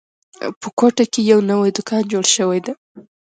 په کوټه کې یو نوی دوکان جوړ شوی ده